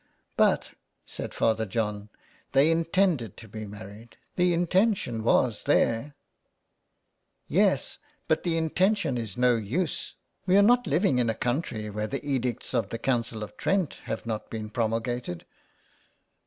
^' But," said Father John, " they intended to be married ; the intention was there" "Yes, but the intention is no use. We are not living in a country where the edicts of the Council of Trent have not been promulgated."